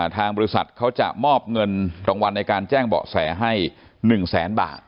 ทางบริษัทเขาจะมอบเงินรางวัลในการแจ้งเบาะแสให้๑แสนบาท